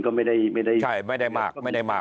ก็ไม่ได้มาก